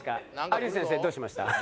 有吉先生どうしました？